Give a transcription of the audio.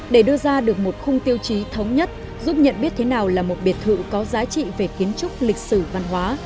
để đưa ra được một khung tiêu chí thống nhất giúp nhận biết thế nào là một biệt thự có giá trị về kiến trúc lịch sử văn hóa